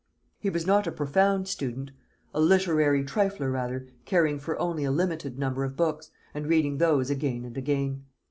He was not a profound student; a literary trifler rather, caring for only a limited number of books, and reading those again and again.